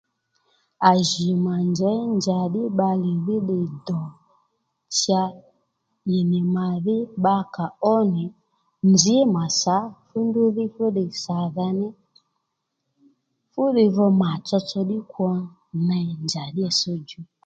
À jì mà njěy njàddí bbalè dhí ddiy dò cha ì nì mà dhí bba kà ó nì nzǐ mà sǎ fúndrú dhí fúddiy sàdha ní fúddiy dho mà tsotso ddí kwo ney njàddí itss djú